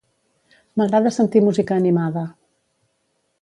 M'agrada sentir música animada.